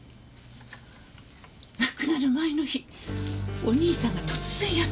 亡くなる前の日お兄さんが突然やってきて。